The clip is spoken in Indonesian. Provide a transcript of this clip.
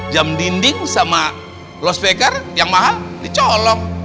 jam dinding sama lo sepikar yang mahal dicolong